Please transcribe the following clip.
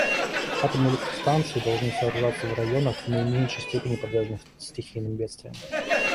Атомные электростанции должны сооружаться в районах, в наименьшей степени подверженных стихийным бедствиям.